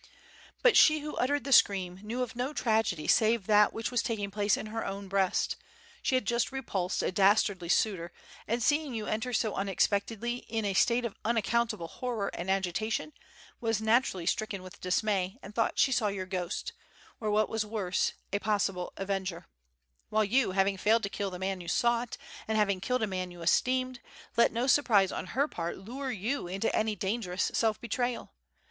"But she who uttered the scream knew of no tragedy save that which was taking place in her own breast. She had just repulsed a dastardly suitor, and seeing you enter so unexpectedly in a state of unaccountable horror and agitation, was naturally stricken with dismay, and thought she saw your ghost, or what was worse, a possible avenger; while you, having failed to kill the man you sought, and having killed a man you esteemed, let no surprise on her part lure you into any dangerous self betrayal.